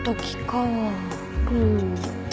うん。